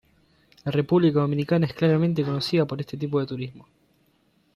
La República Dominicana es claramente conocida por este tipo de turismo.